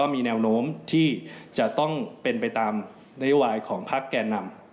มีแนวโน้มที่จะต้องเป็นไปตามนโยบายของพักแก่นำ